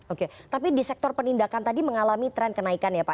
oke tapi di sektor penindakan tadi mengalami tren kenaikan ya pak